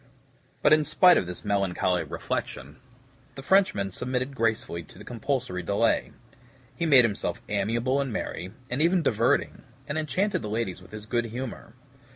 But in spite of this melancholy reflection, the Frenchman submitted gracefully to the compulsory delay. He made himself amiable and merry, and even diverting, and enchanted the ladies with his good humor.